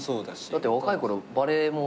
だって若いころバレエも。